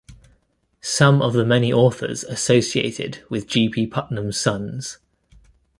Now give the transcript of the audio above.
Some of the many authors associated with G. P. Putnam's Sons.